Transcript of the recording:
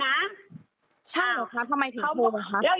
ใช่หรือครับทำไมถึงพูดนะครับ